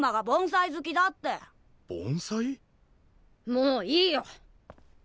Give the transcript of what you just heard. もういいよ！